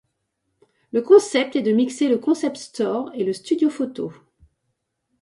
Le concept est de mixer le concept store et le studio photo.